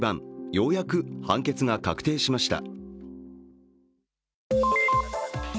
ようやく判決が確定しました。